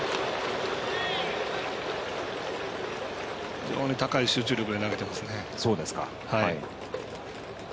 非常に高い集中力で投げてますね。